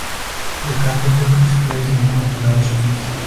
The catheter is placed in one of the large veins.